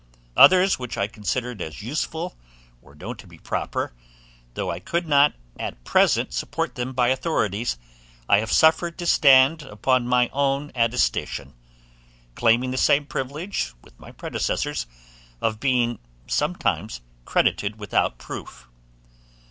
Others, which I considered as useful, or know to be proper, though I could not at present support them by authorities, I have suffered to stand upon my own attestation, claiming the same privilege with my predecessors of being sometimes credited without proof.